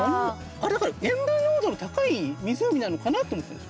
あれだから塩分濃度の高い湖なのかなと思ったなし。